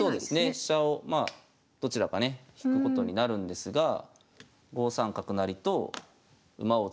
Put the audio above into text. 飛車をまあどちらかね引くことになるんですが５三角成と馬を作って。